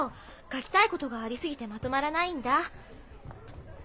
書きたいことがあり過ぎてまとまらないんだ。